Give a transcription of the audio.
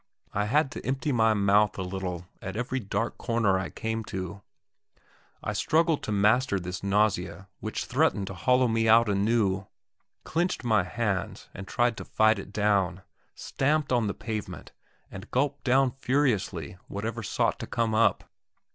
I had to empty my mouth a little at every dark corner I came to. I struggled to master this nausea which threatened to hollow me out anew, clenched my hands, and tried to fight it down; stamped on the pavement, and gulped down furiously whatever sought to come up.